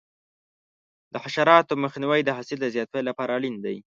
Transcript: د حشراتو مخنیوی د حاصل د زیاتوالي لپاره اړین دی.